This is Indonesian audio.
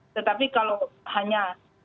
tetapi kalau hanya